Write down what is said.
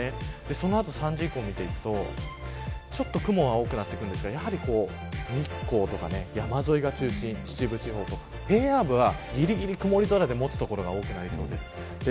その後、３時以降見ていくと雲が多くなってきますが日光とか山沿いが中心秩父地方とか平野部はぎりぎり曇り空でもつ所が多くなりそうです。